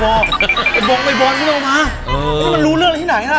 บอกไอ้บอลก็ไม่ต้องมาไม่ต้องมันรู้เรื่องที่ไหนนะ